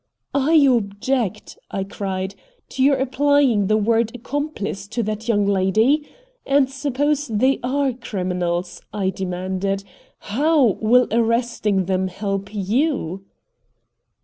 "I object," I cried, "to your applying the word 'accomplice' to that young lady. And suppose they ARE criminals," I demanded, "how will arresting them help you?"